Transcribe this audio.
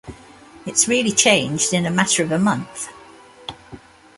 It's really changed in a matter of a month.